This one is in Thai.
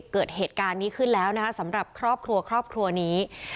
เกิดเหตุการณ์นี้ขึ้นแล้วสำหรับครอบครัวนี้